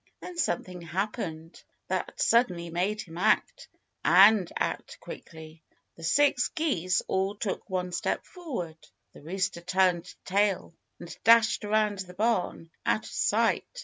Then something happened that suddenly made him act and act quickly. The six geese all took one step forward. The rooster turned tail and dashed around the barn, out of sight.